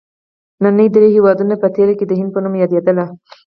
ننني درې هېوادونه په تېر کې د هند په نوم یادیدل.